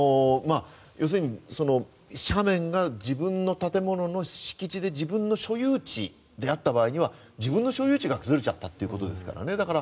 要するに斜面が自分の建物の敷地で自分の所有地であった場合には自分の所有地が崩れちゃったということですから。